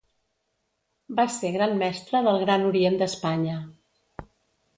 Va ser Gran Mestre del Gran Orient d'Espanya.